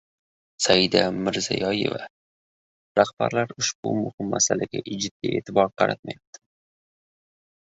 Saida Mirziyoyeva: «Rahbarlar ushbu muhim masalaga jiddiy e’tibor qaratmayapti»